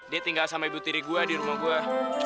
dia tinggal sama ibu tiri gue di rumah gue